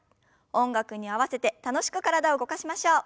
音楽に合わせて楽しく体を動かしましょう。